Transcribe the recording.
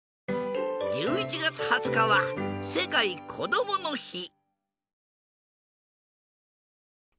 １１月２０日は世界こどもの日。